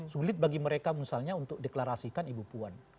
sulit bagi mereka misalnya untuk deklarasikan ibu puan